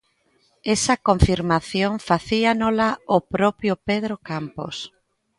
Esa confirmación facíanola o propio Pedro Campos.